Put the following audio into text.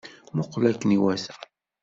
Muqqel akken iwata!